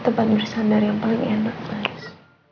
tempat bersandar yang paling enak bagus